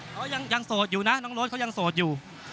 เขายังโสดอยู่นะน้องรถเขายังโสดอยู่